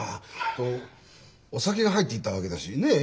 とお酒が入っていたわけだしねえ。